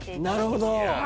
なるほど。